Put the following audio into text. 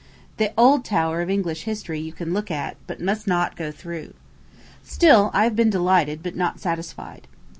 The old Tower of English history you look at, but must not go through. Still I have been delighted, but not satisfied.